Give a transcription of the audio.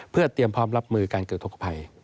เพื่อเตรียมพร้อมรับมือการเกิดธกภัย